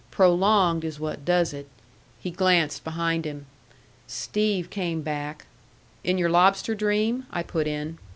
Prolonged is what does it." He glanced behind him. "Steve came back " "In your lobster dream," I put in.